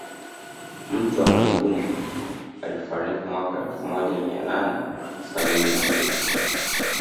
Mtwa Munyigumba alifariki mwaka wa elfu moja mia nane sabini na tisa